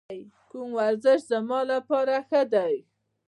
کوم ورزش زما لپاره ښه دی؟